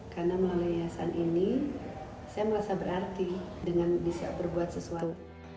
karena melalui hiasan ini saya merasa berarti dengan bisa berbuat sesuatu